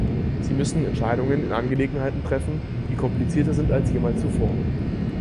Sie müssen Entscheidungen in Angelegenheiten treffen, die komplizierter sind als jemals zuvor.